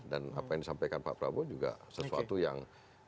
dan apa yang disampaikan pak prabowo juga sesuatu yang